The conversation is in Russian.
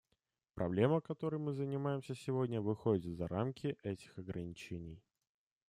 Проблема, которой мы занимаемся сегодня, выходит за рамки этих ограничений.